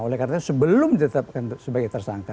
oleh karena sebelum ditetapkan sebagai tersangka